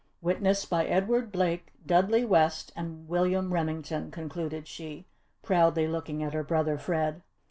"Witnessed by Edward Blake, Dudley West, and William Remington," concluded she, proudly looking at her brother Fred.